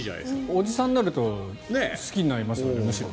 おじさんになったら好きになりますよね